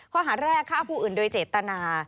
ข้อหาแรกฆ่าผู้อื่นโดยเจตนา